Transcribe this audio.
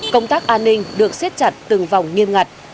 công tác an ninh được siết chặt từng vòng nghiêm ngặt